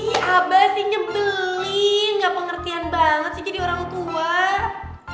ih abah sih nyebelin gak pengertian banget sih jadi orang tua